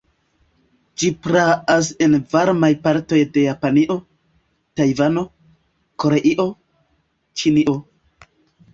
Ĝi praas en varmaj partoj de Japanio, Tajvano, Koreio, Ĉinio.